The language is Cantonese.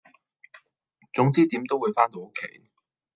總之點都會番到屋企